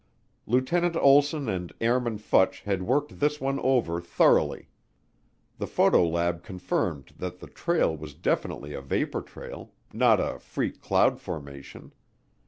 Lieutenant Olsson and Airman Futch had worked this one over thoroughly. The photo lab confirmed that the trail was definitely a vapor trail, not a freak cloud formation.